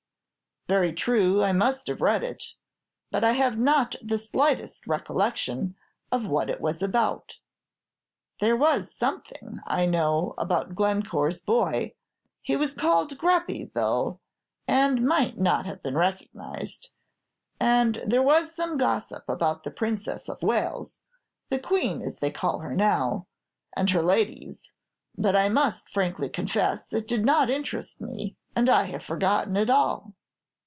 "Very true; I must have read it; but I have not the slightest recollection of what it was about. There was something, I know, about Glencore's boy, he was called Greppi, though, and might not have been recognized; and there was some gossip about the Princess of Wales the Queen, as they call her now and her ladies; but I must frankly confess it did not interest me, and I have forgotten it all."